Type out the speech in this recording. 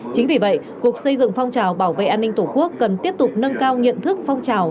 chính vì vậy cục xây dựng phong trào bảo vệ an ninh tổ quốc cần tiếp tục nâng cao nhận thức phong trào